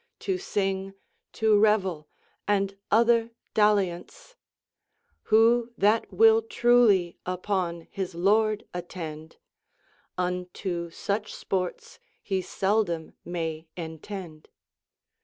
To sing, to revell, and other daliaunce: Who that will truely upon his lord attende, Unto suche sportes he seldome may entende.